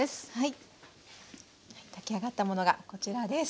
炊き上がったものがこちらです。